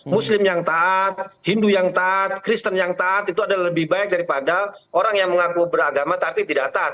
muslim yang taat hindu yang taat kristen yang taat itu adalah lebih baik daripada orang yang mengaku beragama tapi tidak taat